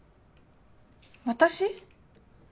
私？